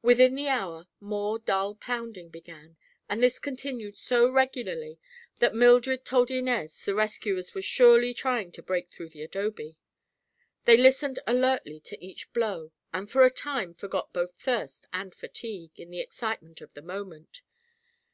Within the hour more dull pounding began and this continued so regularly that Mildred told Inez the rescuers were surely trying to break through the adobe. They listened alertly to each blow and for a time forgot both thirst and fatigue in the excitement of the moment.